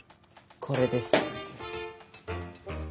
これです。